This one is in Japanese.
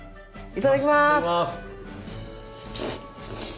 いただきます。